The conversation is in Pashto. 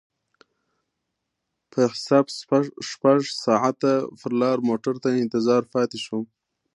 په حساب شپږ ساعته پر لار موټر ته انتظار پاتې شوم.